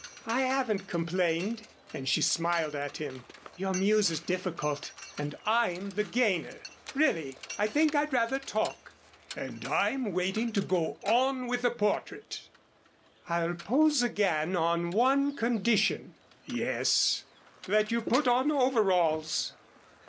"I haven't complained," and she smiled at him. "Your muse is difficult, and I'm the gainer. Really, I think I'd rather talk." "And I'm waiting to go on with the portrait." "I'll pose again on one condition " "Yes." "That you put on overalls."